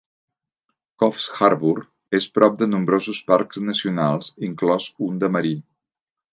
Coffs Harbour es prop de nombrosos parcs nacionals, inclòs un de marí.